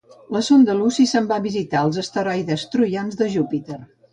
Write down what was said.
La sonda Lucy se'n va a visitar els asteroides troians de Júpiter